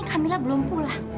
kamilah belum pulang